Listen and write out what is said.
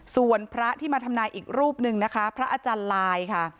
ส่วนพระที่มาทำนายอีกรูปหนึ่งนะคะพระอาจารย์ลายค่ะ